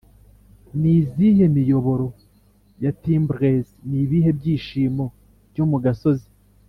ni izihe miyoboro na timbrels? ni ibihe byishimo byo mu gasozi?